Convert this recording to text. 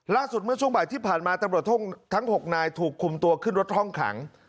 ล่าสุดเมื่อช่วงบ่ายที่ผ่านมาตำรวจทั้ง๖นายถูกคุมตัวขึ้นรถห้องขัง